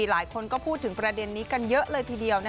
หลายคนก็พูดถึงประเด็นนี้กันเยอะเลยทีเดียว